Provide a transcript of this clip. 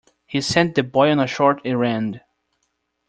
He sent the boy on a short errand.